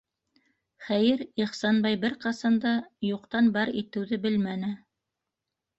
Хәйер, Ихсанбай бер ҡасан да юҡтан бар итеүҙе белмәне.